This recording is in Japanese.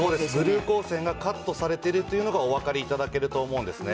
ブルー光線がカットされているというのがおわかり頂けると思うんですね。